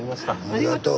ありがとう。